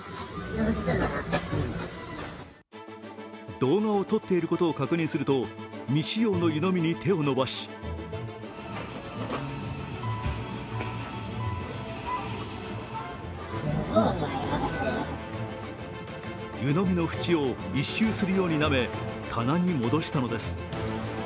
動画を撮っていることを確認すると、未使用の湯飲みに手を伸ばし湯のみの縁を一周するようになめ、棚に戻したのです。